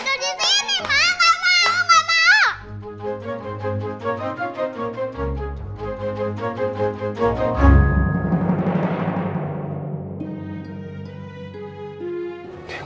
mama gak mau gak mau